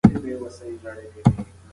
که نجونې تحلیل وکړي نو پایله به نه وي غلطه.